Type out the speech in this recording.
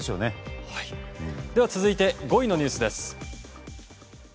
続いて５位のニュースです。